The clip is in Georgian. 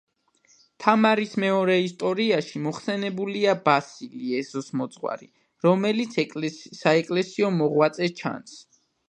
თამარის მეორე ისტორიაში მოხსენიებულია ბასილი ეზოსმოძღვარი, რომელიც საეკლესიო მოღვაწე ჩანს.